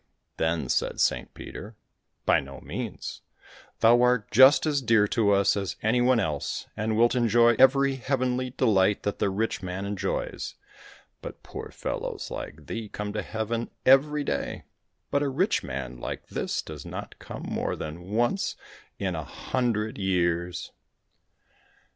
Then said Saint Peter, "By no means, thou art just as dear to us as any one else, and wilt enjoy every heavenly delight that the rich man enjoys, but poor fellows like thee come to heaven every day, but a rich man like this does not come more than once in a hundred years!"